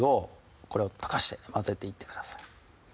これを溶かして混ぜていってください